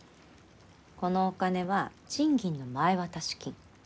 このお金は賃金の前渡し金。